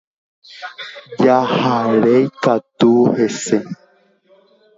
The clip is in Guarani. Jaharei katu hese